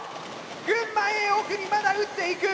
群馬Ａ奥にまだ撃っていく。